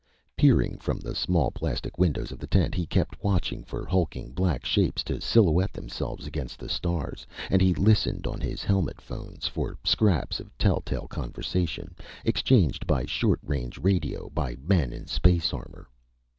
Peering from the small plastic windows of the tent, he kept watching for hulking black shapes to silhouette themselves against the stars. And he listened on his helmet phones, for scraps of telltale conversation, exchanged by short range radio by men in space armor.